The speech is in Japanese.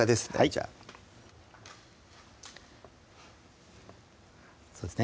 じゃあそうですね